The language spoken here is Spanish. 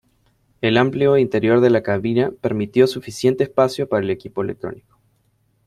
El amplio interior de la cabina permitió suficiente espacio para el equipo electrónico.